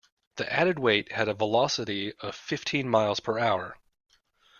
The added weight had a velocity of fifteen miles per hour.